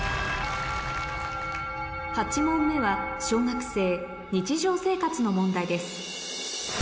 ８問目は小学生の問題です